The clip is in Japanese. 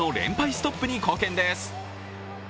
ストップに貢献です。